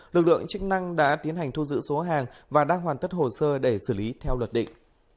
lực lượng chức năng đã tiến hành thu giữ số hàng và đang hoàn tất hồ sơ để xử lý theo luật định